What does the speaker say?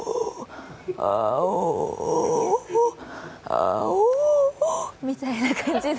あおみたいな感じで。